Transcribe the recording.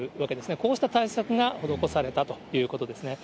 こうした対策が施されたということですね。